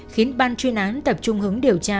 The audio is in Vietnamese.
khiến ban chuyên án tập trung hướng điều tra